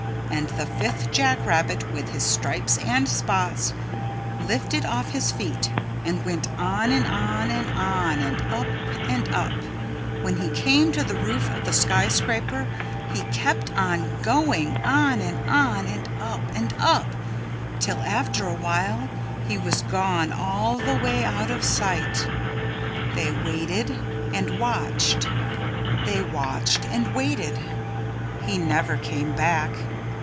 And the fifth jack rabbit with his stripes and spots lifted off his feet and went on and on and on and up and up and when he came to the roof of the skyscraper he kept on going on and on and up and up till after a while he was gone all the way out of sight. They waited and watched, they watched and waited. He never came back.